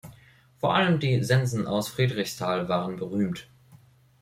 Vor allem die Sensen aus Friedrichstal waren berühmt.